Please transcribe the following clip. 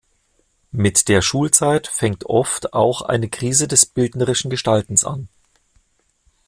Mit der Schulzeit fängt oft auch eine Krise des bildnerischen Gestaltens an.